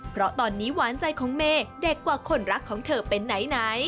เพราะตอนนี้หวานใจของเมย์เด็กกว่าคนรักของเธอเป็นไหน